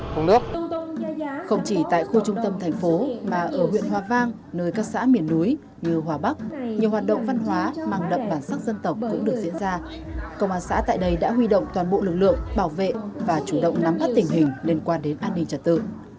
và chủ động nắm bắt tình hình liên quan đến an ninh trật tự